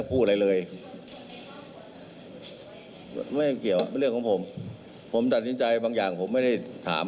พูดอะไรเลยไม่เกี่ยวเรื่องของผมผมตัดสินใจบางอย่างผมไม่ได้ถาม